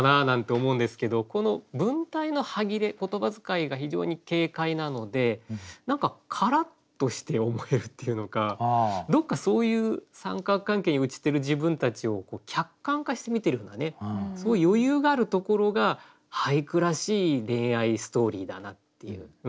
この文体の歯切れ言葉遣いが非常に軽快なので何かカラッとして思えるっていうのかどっかそういう三角関係に陥ってる自分たちを客観化して見てるような余裕があるところが俳句らしい恋愛ストーリーだなっていう。